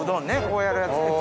こうやるやつ。